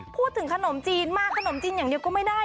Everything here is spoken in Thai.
พูดถึงขนมจีนมาขนมจีนอย่างเดียวก็ไม่ได้